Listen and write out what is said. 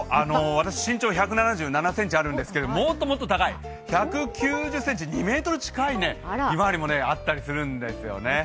私身長１７７ｃｍあるんですけどもっともっと高い、１９０ｃｍ、２ｍ近いひまわりもあったりするんですよね。